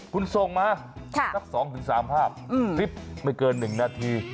คุณส่งมาสัก๒๓ภาพคลิปไม่เกิน๑นาที